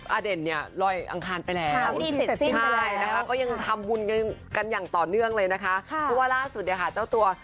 อาเด่นเนี่ยลอยอังคารไปแล้ว